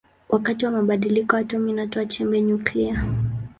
Wakati wa badiliko atomi inatoa chembe nyuklia.